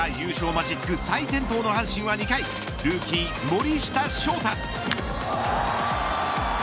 マジック再点灯の阪神は２回ルーキー森下翔太。